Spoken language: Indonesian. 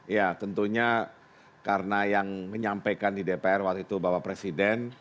ya tentunya karena yang menyampaikan di dpr waktu itu bapak presiden